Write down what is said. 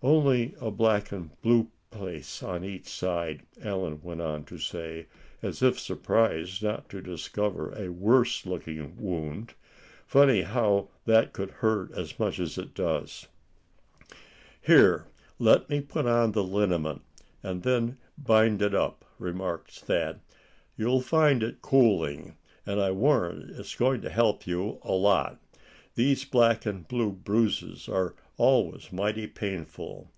"Only a black and blue place on each side," Allan went on to say, as if surprised not to discover a worse looking wound. "Funny how that could hurt as much as it does." "Here, let me put on the liniment, and then bind it up," remarked Thad. "You'll find it cooling; and I warrant it's going to help along a lot. These black and blue bruises are always mighty painful.